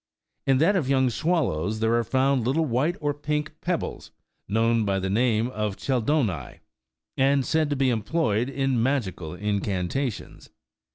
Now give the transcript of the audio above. In that of young swallows there are found little white or pink pebbles, known by the name of " chelidonii," and said to be employed in magical incantations.